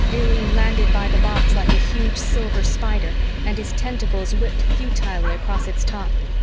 Illy landed by the box like a huge silver spider and his tentacles whipped futilely across its top.